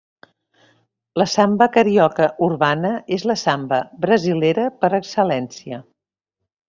La samba carioca urbana és la samba brasilera per excel·lència.